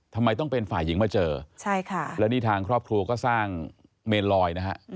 ทำไมต้องเป็นฝ่ายหญิงมาเจอใช่ค่ะแล้วนี่ทางครอบครัวก็สร้างเมนลอยนะฮะ